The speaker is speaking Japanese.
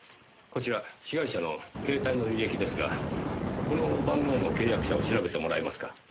こちら被害者の携帯の履歴ですがこの番号の契約者を調べてもらえますか？